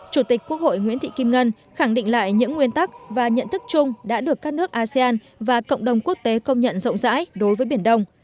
chủ tịch quốc hội nguyễn thị kim ngân khẳng định lại những nguyên tắc và nhận thức chung đã được các nước asean và cộng đồng quốc tế công nhận rộng rãi đối với biển đông